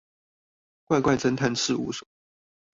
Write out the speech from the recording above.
怪怪偵探事務所